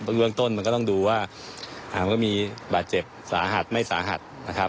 เบื้องต้นมันก็ต้องดูว่าถามว่ามีบาดเจ็บสาหัสไม่สาหัสนะครับ